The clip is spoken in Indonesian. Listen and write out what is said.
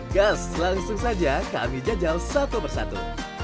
gas langsung saja kami jajal satu persatu